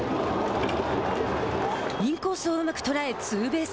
インコースをうまく捉えツーベース。